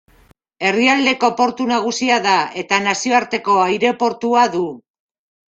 Herrialdeko portu nagusia da, eta nazioarteko aireportua du.